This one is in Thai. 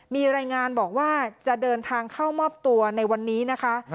มีรายงานบอกว่าจะเดินทางเข้ามอบตัวในวันนี้นะคะ